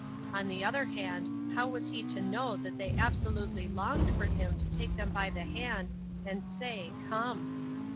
On the other hand how was he to know that they absolutely longed for him to take them by the hand, and say, "Come?"